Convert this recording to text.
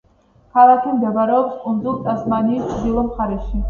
ქალაქი მდებარეობს კუნძულ ტასმანიის ჩრდილოეთ მხარეში.